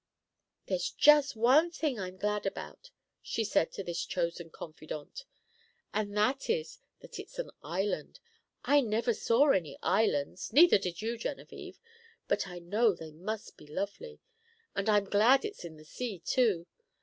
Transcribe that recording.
"There's just one thing I'm glad about," she said to this chosen confidante, "and that is that it's an island. I never saw any islands, neither did you, Genevieve; but I know they must be lovely. And I'm glad it's in the sea, too.